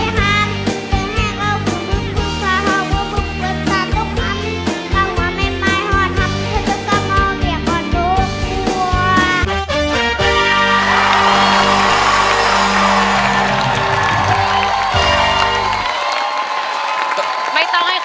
หัวเล่นกะเลี้ยงหัก